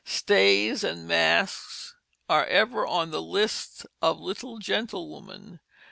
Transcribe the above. Stays and masks are ever on the lists of little gentlewomen.